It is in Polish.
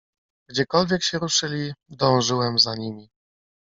"Gdziekolwiek się ruszyli, dążyłem za nimi."